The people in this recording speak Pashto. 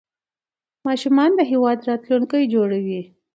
ماشومان د هیواد راتلونکي جوړونکي دي.